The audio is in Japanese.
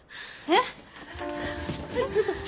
えっ！？